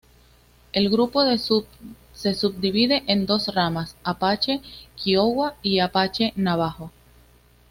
El grupo se subdivide en dos ramas: apache-kiowa y apache-navajo.